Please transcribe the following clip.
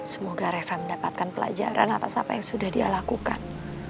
semoga refa mendapatkan pelajaran atas apa yang sudah dia lakukan